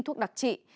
thuốc đặc trị